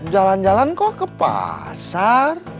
jalan jalan kok ke pasar